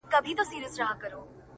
ای د نشې د سمرقند او بُخارا لوري!!